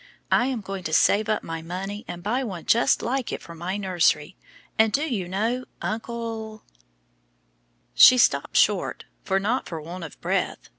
I am going to save up my money and buy one just like it for my nursery, and do you know, uncle " She stopped short, but not for want of breath.